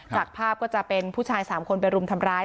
จากภาพก็จะเป็นผู้ชาย๓คนไปรุมทำร้าย